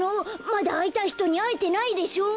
まだあいたいひとにあえてないでしょ！